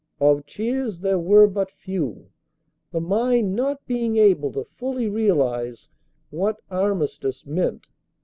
Of cheers there were but few, the mind not being able to fully realize what armistice meant.